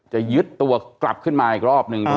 จะยึดตัวกลับขึ้นมาอีกรอบหนึ่งด้วย